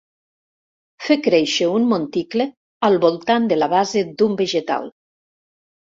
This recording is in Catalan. Fer créixer un monticle al voltant de la base d'un vegetal.